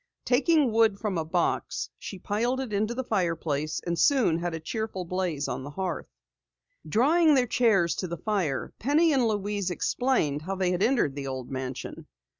Taking wood from a box, she piled it into the fireplace, and soon had a cheerful blaze on the hearth. Drawing their chairs to the fire, Penny and Louise explained how they had entered the old mansion.